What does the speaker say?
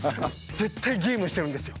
絶対ゲームしてるんですよ。